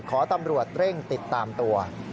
ขอตำรวจเร่งติดตามตัว